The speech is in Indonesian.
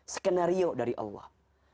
skenario dari allah